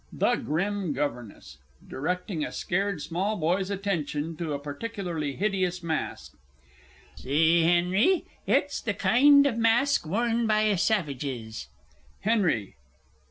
THE GRIM GOVERNESS (directing a scared small boy's attention to a particularly hideous mask). See, Henry, that's the kind of mask worn by savages! HENRY.